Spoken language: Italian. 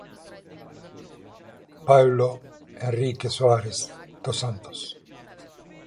Paulo Henrique Soares dos Santos